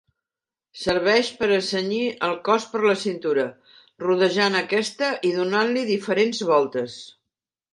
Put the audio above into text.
Serveix per a cenyir el cos per la cintura, rodejant aquesta i donant-li diferents voltes.